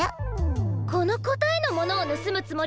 このこたえのものをぬすむつもりなんだ。